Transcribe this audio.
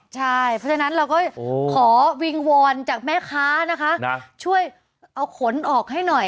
ใช่เพราะฉะนั้นเราก็ขอวิงวอนจากแม่ค้านะคะช่วยเอาขนออกให้หน่อย